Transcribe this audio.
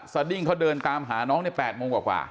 สดิ้งเขาเดินตามหาน้องเนี่ย๘โมงกว่ากว่า